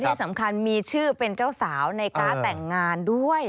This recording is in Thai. ที่สำคัญมีชื่อเป็นเจ้าสาวในการ์ดแต่งงานด้วย